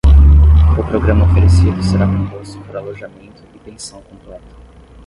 O programa oferecido será composto por alojamento e pensão completa.